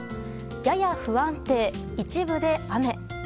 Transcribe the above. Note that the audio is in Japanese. やや不安定、一部で雨。